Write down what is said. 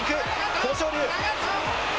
豊昇龍。